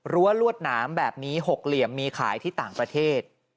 ลวดหนามแบบนี้๖เหลี่ยมมีขายที่ต่างประเทศ